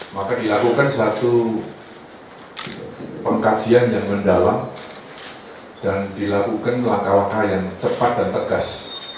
maka dilakukan satu pengkajian yang mendalam dan dilakukan langkah langkah yang cepat dan tegas